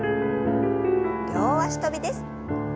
両脚跳びです。